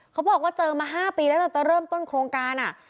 เขาบอกว่าเจอมา๕ปีแล้วตั้งแต่เริ่มต้นโครงการ